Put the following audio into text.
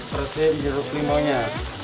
peresin jeruk limaunya